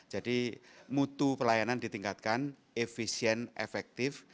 jadi mutu pelayanan ditingkatkan efisien efektif